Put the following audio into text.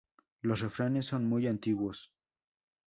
Los refranes son muy antiguos.